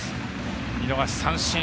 見逃し三振。